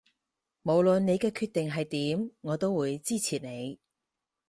無論你嘅決定係點我都會支持你